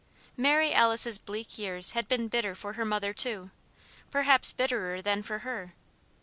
Mary Alice's bleak years had been bitter for her mother, too; perhaps bitterer than for her.